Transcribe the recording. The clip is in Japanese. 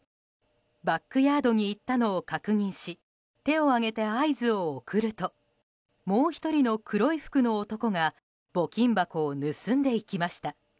バックヤードに行ったのを確認し手を上げて合図を送るともう１人の黒い服の男が募金箱を盗んでいきました。